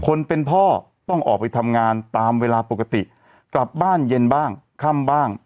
คนเป็นพ่อต้องออกไปทำงานตามเวลาปกติกลับบ้านเย็นบ้างค่ำบ้าง